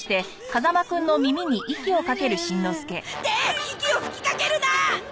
って息を吹きかけるな！